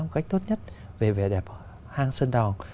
cách tốt nhất về vẻ đẹp hang sơn đòn